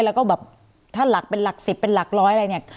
แล้วก็แบบถ้าหลักเป็นหลัก๑๐เป็นหลักร้อยอะไรเนี่ย